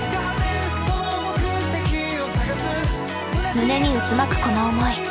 胸に渦巻くこの思い。